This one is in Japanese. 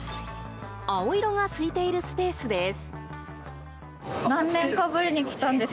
青色がすいているスペースです。